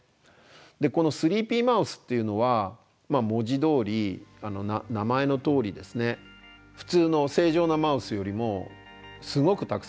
このスリーピーマウスっていうのは文字どおり名前のとおりですね普通の正常なマウスよりもすごくたくさん眠ります。